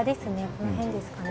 この辺ですかね。